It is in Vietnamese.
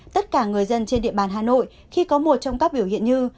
tất cả người dân trên địa bàn hà nội khi có một trong các biểu hiện như